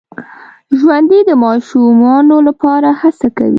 ژوندي د ماشومانو لپاره هڅه کوي